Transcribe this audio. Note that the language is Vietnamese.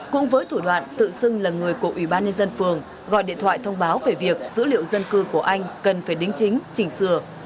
cũng với thủ đoạn tự xưng là người của ủy ban nhân dân phường gọi điện thoại thông báo về việc dữ liệu dân cư của anh cần phải đính chính chỉnh sửa